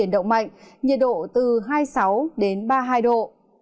động mạnh nhiệt độ từ hai mươi sáu đến ba mươi hai độ